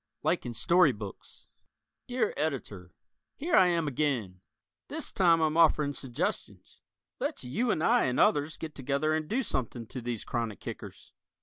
"Like in Story Books" Dear Editor: Here I am again! This time I'm offering suggestions. Let's you and I and others get together and do something to these chronic kickers.